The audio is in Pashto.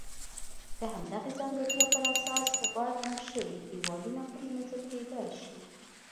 د همدغې ځانګړتیا پر اساس غوړ رنګ شوي دېوالونه پرېمنځل کېدای شي.